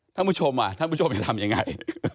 ท่านผู้ชมท่านผู้ชมจะทำยังไง